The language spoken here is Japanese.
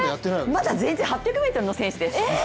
まだ全然８００ｍの選手です。